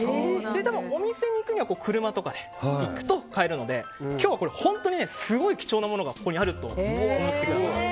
お店に行くには車とかで行くと買えるので今日は本当に貴重なものがここにあると思ってください。